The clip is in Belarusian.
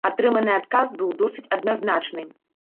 Атрыманы адказ быў досыць адназначны.